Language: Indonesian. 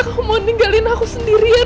kamu tinggalin aku sendirian